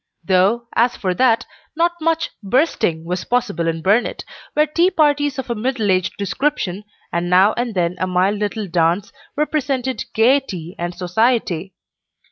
Though, as for that, not much "bursting" was possible in Burnet, where tea parties of a middle aged description, and now and then a mild little dance, represented "gayety" and "society."